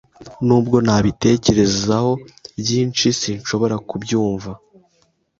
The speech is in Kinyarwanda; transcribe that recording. Nubwo nabitekerezaho byinshi, sinshobora kubyumva.